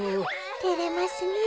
てれますねえ。